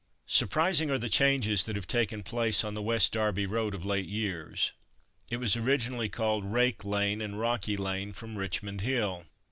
Surprising are the changes that have taken place on the West Derby road of late years. It was originally called Rake lane, and Rocky lane from Richmond hill.